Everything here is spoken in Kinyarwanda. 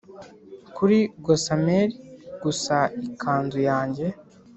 kuri gossamer gusa ikanzu yanjye,